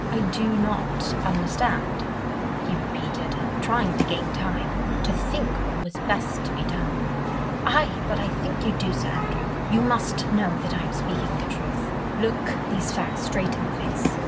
"I do not understand," he repeated, trying to gain time, to think what was best to be done. "Aye! but I think you do, Sir Andrew. You must know that I am speaking the truth. Look these facts straight in the face.